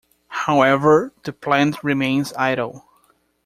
However, the plant remains idle.